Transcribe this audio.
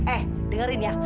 eh dengerin ya